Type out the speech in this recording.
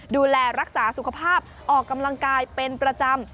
ดูแลรักษาสุขภาพออกกำลังกายเป็นประจำ